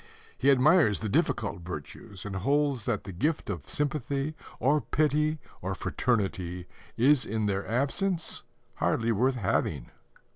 He admires the difficult virtues, and holds that the gift of sympathy or pity or fraternity is in their absence hardly worth having.